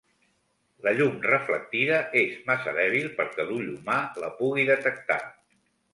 La llum reflectida és massa dèbil perquè l'ull humà la pugui detectar.